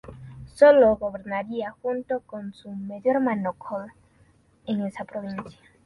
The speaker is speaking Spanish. Sólo gobernaría, junto con su medio hermano Kol, en esa provincia.